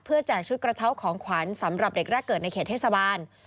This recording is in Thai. แจกชุดกระเช้าของขวัญสำหรับเด็กแรกเกิดในเขตเทศบาล